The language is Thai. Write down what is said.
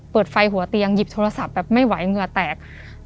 เปิดไฟหัวเตียงหยิบโทรศัพท์แบบไม่ไหวเหงื่อแตก